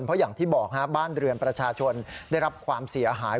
เพราะอย่างที่บอกบ้านเรือนประชาชนได้รับความเสียหาย